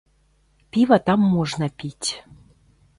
Піва там можна піць.